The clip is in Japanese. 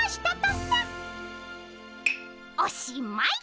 おしまい。